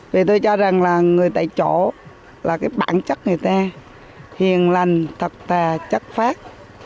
vì tôi cho rằng là người tại chỗ là cái bản chất người ta hiền lành tập tà chất phát